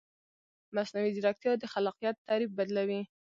مصنوعي ځیرکتیا د خلاقیت تعریف بدلوي.